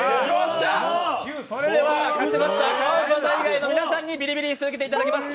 それでは川島さん以外の皆さんにビリビリを受けていただきます！